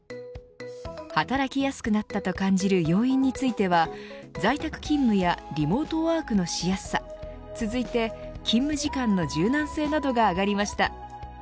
働きやすくなったと感じる要因については在宅勤務やリモートワークのしやすさ続いて、勤務時間の柔軟性などが上がりました。